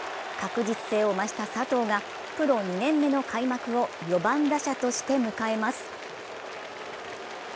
確実性を増した佐藤がプロ２年目の開幕を４番打者として迎えます。